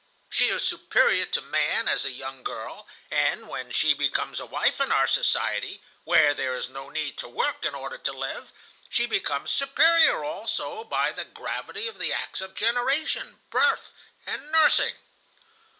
She is superior to man as a young girl, and when she becomes a wife in our society, where there is no need to work in order to live, she becomes superior, also, by the gravity of the acts of generation, birth, and nursing.